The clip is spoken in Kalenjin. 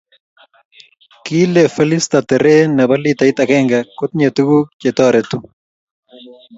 Kil e Felista teree ne bo litait akenge ko tinye tukuk chetoretuu .